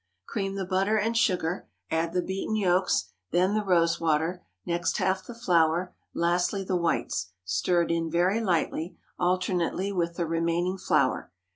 Cream the butter and sugar, add the beaten yolks, then the rose water, next half the flour, lastly the whites, stirred in very lightly, alternately with the remaining flour.